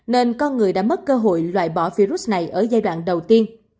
nên con người đã mất cơ hội loại bỏ virus này ở giai đoạn đầu tiên